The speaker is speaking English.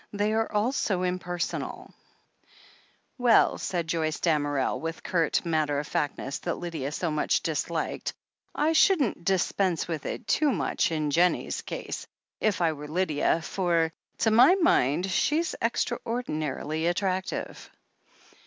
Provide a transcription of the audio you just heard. "They are all so impersonal'' 36o THE HEEL OF ACHILLES "Well," said Joyce Damerel, with the curt, matter of factness that Lydia so much disliked, "I shouldn't dispense with it too much in Jennie's case, if I were Lydia, for, to my mind, she's extraordinarily attrac tive."